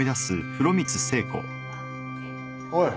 ・おい。